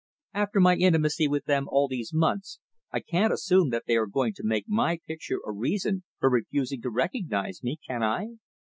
After my intimacy with them, all these months, I can't assume that they are going to make my picture a reason for refusing to recognize me, can I?